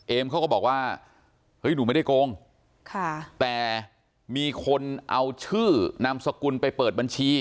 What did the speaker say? เขาก็บอกว่าเฮ้ยหนูไม่ได้โกงค่ะแต่มีคนเอาชื่อนามสกุลไปเปิดบัญชี